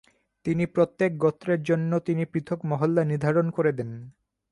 তিনি প্রত্যেক গোত্রের জন্য তিনি পৃথক মহল্লা নির্ধারণ করে দেন।